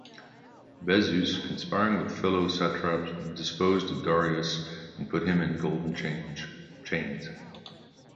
Bessus, conspiring with fellow satraps, deposed Darius and put him in golden chains.